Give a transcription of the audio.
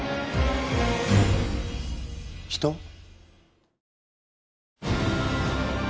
人？